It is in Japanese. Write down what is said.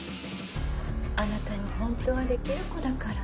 あなたはほんとはできる子だから。